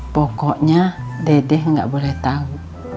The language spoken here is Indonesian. pokoknya dedek gak boleh tau